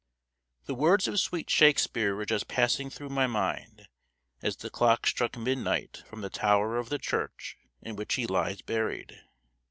The words of sweet Shakespeare were just passing through my mind as the clock struck midnight from the tower of the church in which he lies buried.